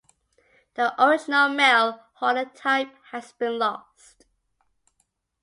The original male holotype has been lost.